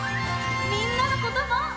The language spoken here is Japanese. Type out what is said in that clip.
みんなのことも。